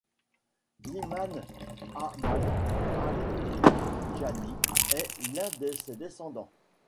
L'imâm Ahmad At Tijânî est l'un de ses descendants.